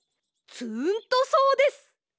つーんとそうです。